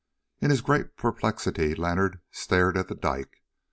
In his great perplexity Leonard stared at the dike.